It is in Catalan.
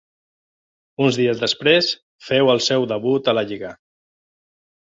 Uns dies després feu el seu debut a la lliga.